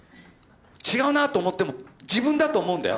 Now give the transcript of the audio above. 違うなと思っても自分だと思うんだよ。